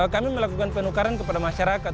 kami melakukan penukaran kepada masyarakat